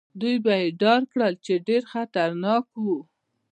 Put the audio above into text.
دوی به يې ډار کړل، چې ډېر خطرناک وو.